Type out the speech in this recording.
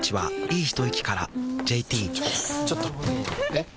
えっ⁉